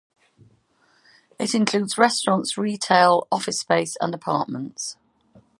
It includes restaurant, retail, office space and apartments.